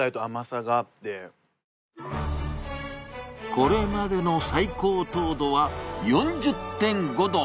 これまでの最高糖度は４０．５度。